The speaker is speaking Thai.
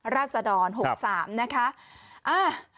ราศดร๖๓นะคะ